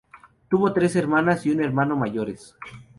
Tuvo tres hermanas y un hermano mayores.